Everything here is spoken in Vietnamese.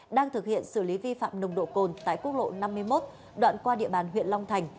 đang thực hiện xử lý vi phạm nồng độ cồn tại quốc lộ năm mươi một đoạn qua địa bàn huyện long thành